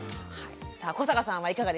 さあ古坂さんはいかがでした？